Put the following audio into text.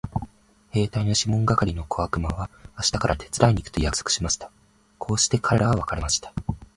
兵隊のシモン係の小悪魔は明日から手伝いに行くと約束しました。こうして彼等は別れました。